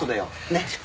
ねっ。